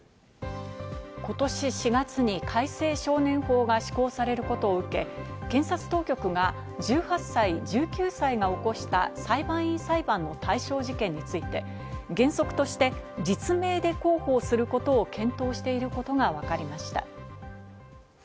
今年４月に改正少年法が施行されることを受け、検察当局が１８歳・１９歳が起こした裁判員裁判の対象事件について、原則として実名で広報することを検討していることがわかりました。